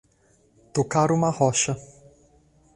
Tocar uma rocha